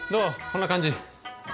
こんな感じ。